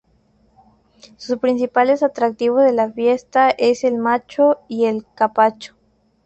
Sus principales atractivos de la fiesta es el macho y el capacho.